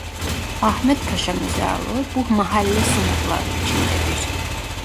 Ahmetpaşa mezarlığı bu mahalle sınırları içindedir.